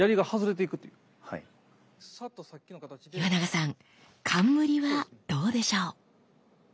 岩永さん冠はどうでしょう？